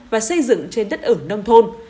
và xây dựng trên đất ở nông thôn